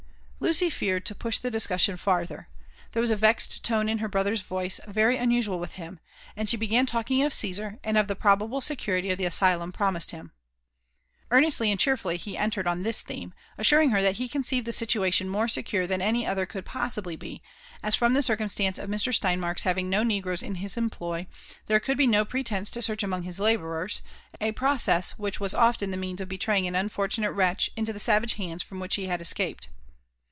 Lucy feared to push the discussion farther ; there was a vexed tone in her brother's voice very unusual with him, and she began talking of Caesar, and of the probable security of the asylum promised him. Earnestly and cheerfully he entered on this theme, assuring her that he conceived the situation more secure than any other could possibly be, as from the circumstance of Mr. Steinmark's having no negroes in his employ, there could be no pretence to search among 1 JONATHAN JEFFERSON WHITLAW. IIT his laboarers ; a process which was often the means of betraying an unfortunate wretch into the savage hands from which be had escaped.